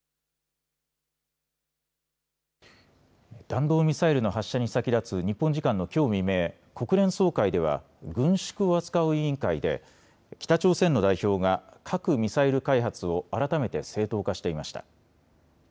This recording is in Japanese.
弾道ミサイルの発射に先立つ日本時間のきょう未明、国連総会では軍縮を扱う委員会で北朝鮮の代表が核・ミサイル開発を改めて正当化していました。